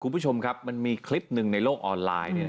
คุณผู้ชมครับมันมีคลิปหนึ่งในโลกออนไลน์